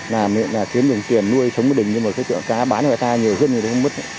làm nguyện là kiếm dùng tiền nuôi sống bất đình nhưng mà cái chỗ cá bán người ta nhiều rất nhiều nó không mất